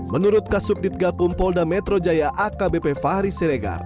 menurut kasub ditgakum polda metro jaya akbp fahri siregar